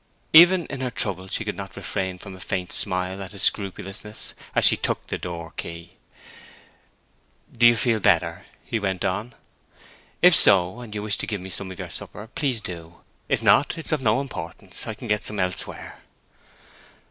Even in her trouble she could not refrain from a faint smile at his scrupulousness, as she took the door key. "Do you feel better?" he went on. "If so, and you wish to give me some of your supper, please do. If not, it is of no importance. I can get some elsewhere."